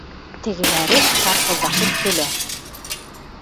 Тегеләре шарҡылдашып көлә.